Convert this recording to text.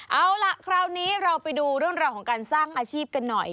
เอาล่ะคราวนี้เราไปดูเรื่องราวของการสร้างอาชีพกันหน่อย